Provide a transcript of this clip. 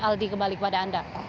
aldi kembali kepada anda